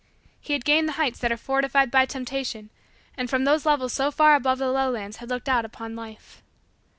He had gained the heights that are fortified by Temptation and from those levels so far above the lowlands had looked out upon Life.